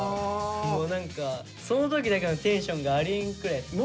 もう何かその時だけのテンションがありえんくらい。